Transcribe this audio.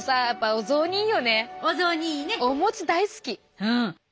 お餅大好き。